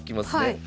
はい。